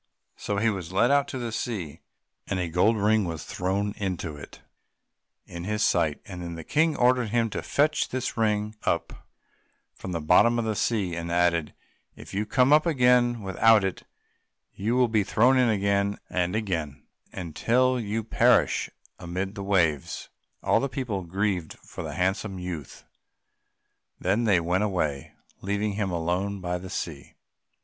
So he was led out to the sea, and a gold ring was thrown into it, in his sight; then the King ordered him to fetch this ring up from the bottom of the sea, and added, "If you come up again without it you will be thrown in again and again until you perish amid the waves." All the people grieved for the handsome youth; then they went away, leaving him alone by the sea.